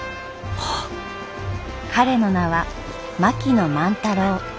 彼の名は槙野万太郎。